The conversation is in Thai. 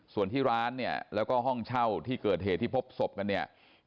ส่วนที่ร้านเนี่ยแล้วก็ห้องเช่าที่เกิดเหตุที่พบศพกันเนี่ย